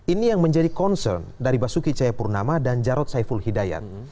ini yang menjadi concern dari basuki cahayapurnama dan jarod saiful hidayat